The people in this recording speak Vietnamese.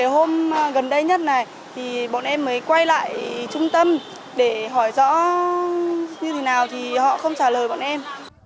hôm gần đây nhất này thì bọn em mới quay lại trung tâm để hỏi rõ như thế nào thì họ không trả lời bọn em